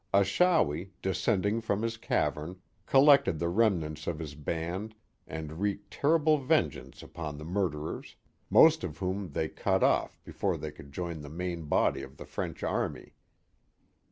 Achawi, descending from his cavern, collected the rem nants of his band and wreaked terrible vengeance upon the itiurderers, most of whom they cut off before they could jmn the mairi body of the French army.